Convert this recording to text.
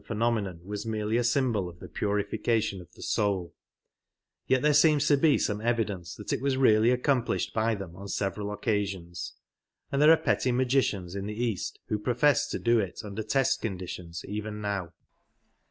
phenomenon was merely a symbol of the purification of the soul ; yet there seems to be some evidence that it was really accomplished by them 7 on seyera) occasion^, an4 there ar/e petty magicians in the Easi wbp profess to dp it under te?t conditions even r^oy.